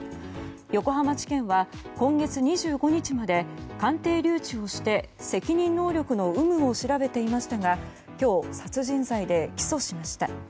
横浜地検は今月２５日まで鑑定留置をして責任能力の有無を調べていましたが今日、殺人罪で起訴しました。